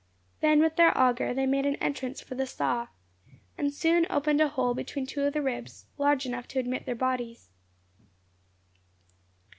Then, with their auger, they made an entrance for the saw, and soon opened a hole between two of the ribs, large enough to admit their bodies.